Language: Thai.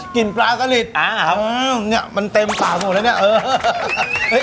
กลิ่นปลาสะดิดเอรอครับมันเต็มปากหมดเนี้ย